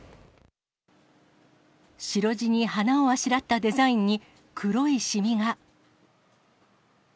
白地に花をあしらったデザインに黒い染みが。